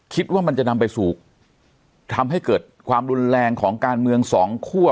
คิดว่ามันจะนำไปสู่ทำให้เกิดความรุนแรงของการเมืองสองคั่ว